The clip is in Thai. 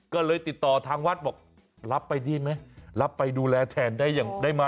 ก็เลยติดต่อทางวัดบอกรับไปดีไหมรับไปดูแลแทนได้ไหม